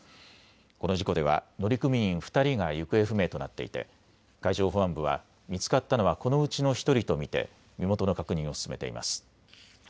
この事故では乗組員２人が行方不明となっていて海上保安部は見つかったのはこのうちの１人と見て身元の確認を進めています。